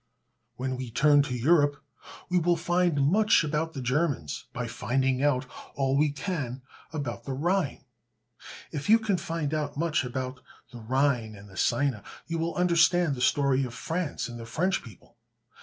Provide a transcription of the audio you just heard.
When we turn to Europe, we will find much about the Germans, by finding out all we can about the Rhine. If you can find out much about the Rhone and the Seine, you will understand the story of France and the French people.